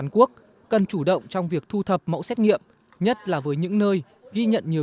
hàn quốc cần chủ động trong việc thu thập mẫu xét nghiệm nhất là với những nơi ghi nhận nhiều